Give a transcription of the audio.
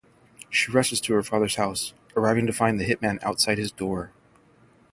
She rushes to her father's house, arriving to find the hitman outside his door.